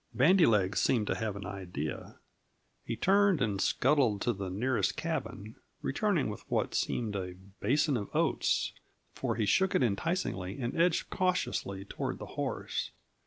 Bandy legs seemed to have an idea; he turned and scuttled to the nearest cabin, returning with what seemed a basin of oats, for he shook it enticingly and edged cautiously toward the horse.